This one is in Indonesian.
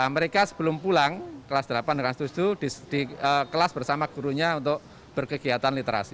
mereka sebelum pulang kelas delapan dan kelas tujuh di kelas bersama gurunya untuk berkegiatan literasi